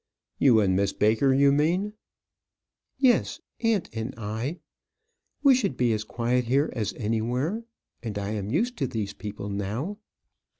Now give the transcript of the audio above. "You and Miss Baker, you mean?" "Yes; aunt and I. We should be as quiet here as anywhere, and I am used to these people now."